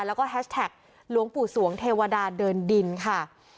แล้วก็แฮชแท็กหลวงปู่สวงเทวดาเดินดินค่ะ